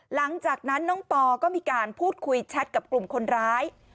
หลังจากนั้นน้องปอก็มีการพูดคุยแชทกับกลุ่มคนร้าย